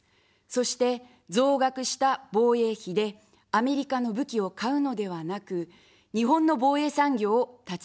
そして、増額した防衛費で、アメリカの武器を買うのではなく、日本の防衛産業を立ち上げることです。